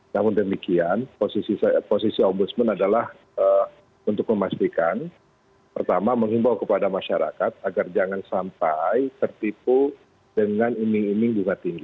namun demikian posisi ombudsman adalah untuk memastikan pertama mengimbau kepada masyarakat agar jangan sampai tertipu dengan iming iming bunga tinggi